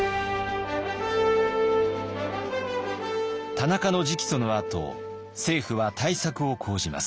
田中の直訴のあと政府は対策を講じます。